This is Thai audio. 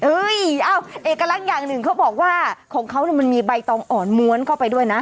เอ้าเอกลักษณ์อย่างหนึ่งเขาบอกว่าของเขามันมีใบตองอ่อนม้วนเข้าไปด้วยนะ